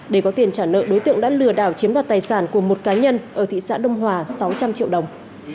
để có tiền trả nợ đối tượng đã lừa đảo chiếm đoạt tài sản của một cá nhân ở thị xã đông hòa sáu trăm linh triệu đồng